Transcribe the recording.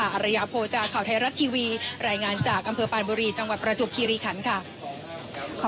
อรยาโภจาข่าวไทยรัฐทีวีรายงานจากอำเภอปานบุรีจังหวัดประจวบคีรีคันค่ะ